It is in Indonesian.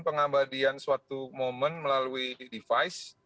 pengabadian suatu momen melalui device